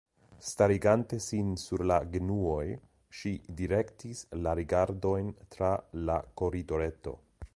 Starigante sin sur la genuoj, ŝi direktis la rigardojn, tra la koridoreto.